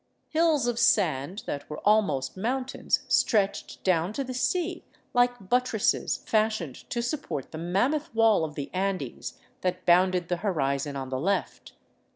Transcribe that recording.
Hills of sand that were almost mountains stretched down to the sea, like but tresses fashioned to support the mammoth wall of the Andes that bounded the horizon on the left.